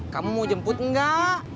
kamu jemput enggak